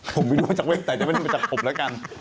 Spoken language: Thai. ผมไม่รู้ว่าจากเว็บแต่จะไม่ได้มาจากผมแล้วกัน